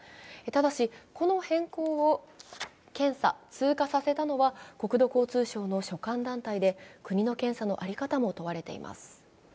ただし、この変更を検査・通過させたのは国土交通省の所管団体で、国の検査の在り方も問われています。